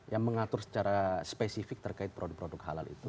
yang mengatur secara spesifik terkait produk produk halal itu